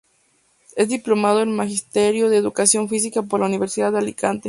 Es Diplomado en Magisterio de Educación Física por la Universidad de Alicante.